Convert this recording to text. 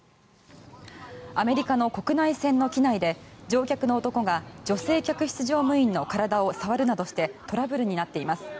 アメリカの国内線の機内で乗客の男が女性客室乗務員の体を触るなどしてトラブルになっています。